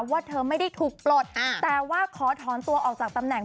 ว่าเธอไม่ได้ถูกปลดแต่ว่าขอถอนตัวออกจากตำแหน่ง